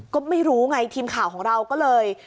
ก็ไม่รู้ไงทีมข่าวของเราก็เลย